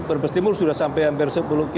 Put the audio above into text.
brebes timur sudah sampai hampir